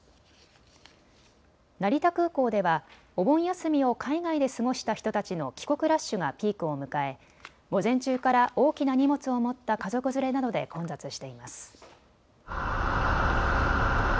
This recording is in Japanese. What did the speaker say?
成田空港ではお盆休みを海外で過ごした人たちの帰国ラッシュがピークを迎え、午前中から大きな荷物を持った家族連れなどで混雑しています。